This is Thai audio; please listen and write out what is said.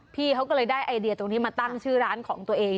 พี่เขาก็เลยได้ไอเดียตรงนี้มาตั้งชื่อร้านของตัวเอง